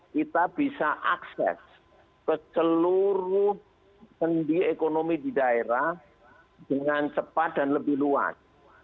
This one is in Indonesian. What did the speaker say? kita bisa akses ke seluruh sendi ekonomi di daerah dengan cepat dan lebih luas